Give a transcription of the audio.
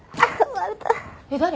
誰？